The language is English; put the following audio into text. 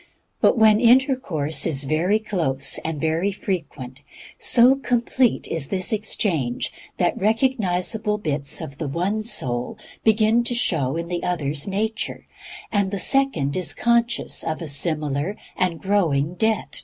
And when intercourse is very close and very frequent, so complete is this exchange that recognizable bits of the one soul begin to show in the other's nature, and the second is conscious of a similar and growing debt to the first.